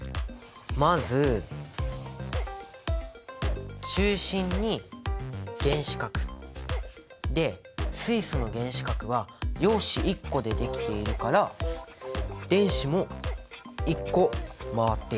まず中心に原子核。で水素の原子核は陽子１個でできているから電子も１個回っている。